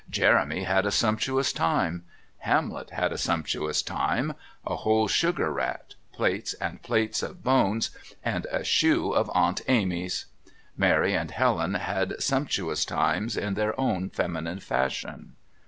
Jeremy had a sumptuous time; Hamlet had a sumptuous time (a whole sugar rat, plates and plates of bones, and a shoe of Aunt Amy's); Mary and Helen had sumptuous times in their own feminine fashion.